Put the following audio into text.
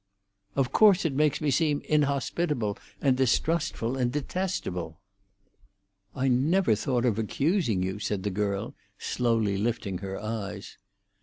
"Of course it makes me seem inhospitable, and distrustful, and detestable." "I never thought of accusing you," said the girl, slowly lifting her eyes.